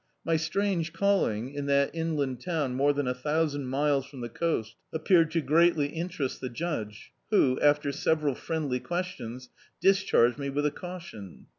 My strange calling, in that inland town more than a thousand miles from the coast, appeared to greatly interest the judge, who, after several friendly questions, discharged me with a caution.